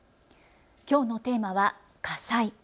きょうのテーマは火災。